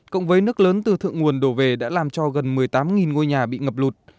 cộng với nước lớn từ thượng nguồn đổ về đã làm cho gần một mươi tám ngôi nhà bị ngập lụt